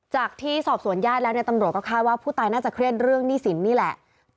จากที่สอบสวนญาติแล้วเนี่ยตำรวจก็คาดว่าผู้ตายน่าจะเครียดเรื่องหนี้สินนี่แหละ